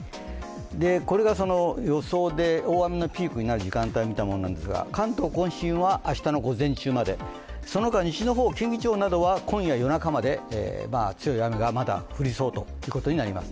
これがその予想で、大雨のピークになる時間帯を見たものなんですが関東甲信は明日の午前中まで、そのほか、近畿地方などは今夜夜中まで強い雨がまだ降りそうということになります。